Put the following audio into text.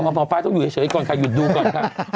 หมอฟ้าต้องอยู่เฉยก่อนค่ะหยุดดูก่อนค่ะ